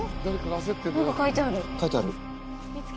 書いてある。